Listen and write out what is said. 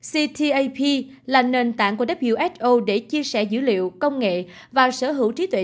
ctap là nền tảng của who để chia sẻ dữ liệu công nghệ và sở hữu trí tuệ